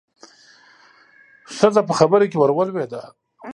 ښځه په خبره کې ورولوېدله.